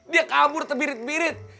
dia kabur terbirit birit